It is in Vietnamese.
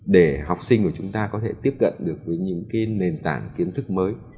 để học sinh của chúng ta có thể tiếp cận được với những cái nền tảng kiến thức mới